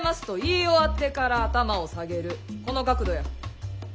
この角度や。